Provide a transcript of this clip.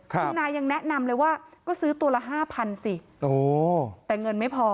คุณนายยังแนะนำเลยว่าก็ซื้อตัวละห้าพันสิแต่เงินไม่พอ